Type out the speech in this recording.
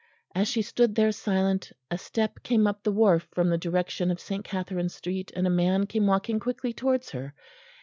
As she stood there silent, a step came up the wharf from the direction of St. Katharine's street, and a man came walking quickly towards her.